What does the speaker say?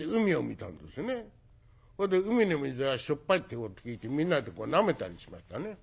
海の水はしょっぱいってこと聞いてみんなでなめたりしましたね。